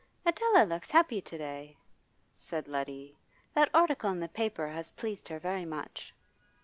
'Adela looks happy to day,' said Letty. 'That article in the paper has pleased her very much.